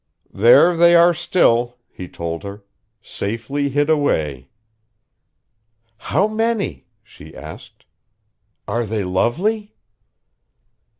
"There they are still," he told her. "Safely hid away." "How many?" she asked. "Are they lovely?"